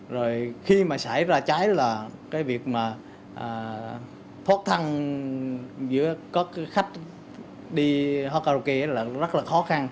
rồi khi mà xảy ra cháy là cái việc mà thoát thân giữa các khách đi hát karaoke là rất là khó khăn